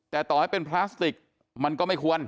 แต่ต่อให้เป็นพลาสติกมันก็ไม่ควร